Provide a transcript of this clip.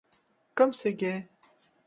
Comme c'est gai !